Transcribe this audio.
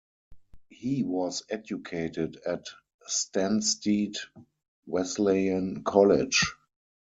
He was educated at Stanstead Wesleyan College.